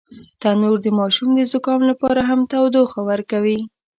تنور د ماشوم د زکام لپاره هم تودوخه ورکوي